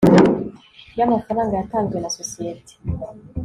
yamafaranga yatanzwe na sosiyete